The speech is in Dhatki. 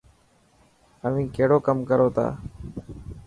اوهين ڪهڙو ڪم ڪرو ٿا؟